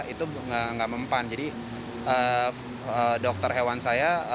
itu enggak mempan jadi dokter hewan saya mengatakan bahwa dia sudah mengambil vaksin influenza dan